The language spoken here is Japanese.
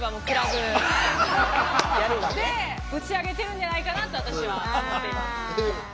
でブチ上げてるんじゃないかなと私は思っています。